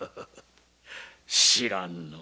知らんな。